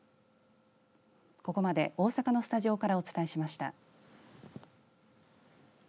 ここまで大阪のスタジオからお伝えしました。